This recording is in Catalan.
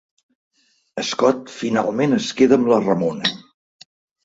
Scott finalment es queda amb la Ramona.